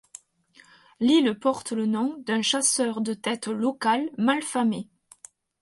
L'île porte le nom d'un chasseur de tête local malfamé.